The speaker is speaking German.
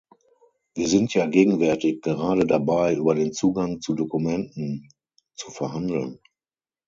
Wir sind ja gegenwärtig gerade dabei, über den Zugang zu Dokumenten zu verhandeln.